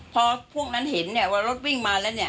พอพวกนั้นเห็นเนี่ยว่ารถวิ่งมาแล้วเนี่ย